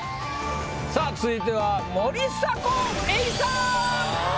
さぁ続いては森迫永依さん！